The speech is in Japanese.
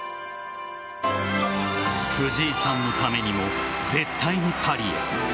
藤井さんのためにも絶対にパリへ。